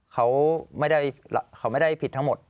เขาไม่ได้ผิดทั้งหมด